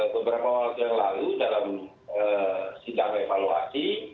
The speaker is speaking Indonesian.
beberapa waktu yang lalu dalam sidang evaluasi